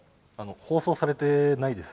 放送されてないです。